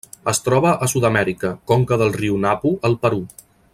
Es troba a Sud-amèrica: conca del riu Napo al Perú.